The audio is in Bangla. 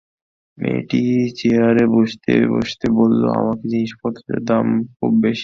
মেয়েটি চেয়ারে বসতে বসতে বলল, এখানে জিনিসপত্রের দাম খুব বেশি।